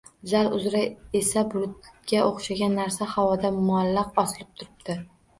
Zal uzra esa bulutga o‘xshagan narsa havoda muallaq osilib turipti...